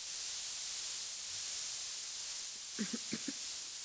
Listy bývají tvarově i velikostně hodně variabilní.